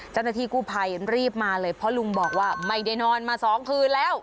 เจ้าหน้าที่กู้ภัยรีบมาเลยเพราะลุงบอกว่าไม่ได้นอนมาสองคืนแล้ว